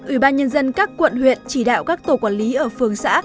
ủy ban nhân dân các quận huyện chỉ đạo các tổ quản lý ở phường xã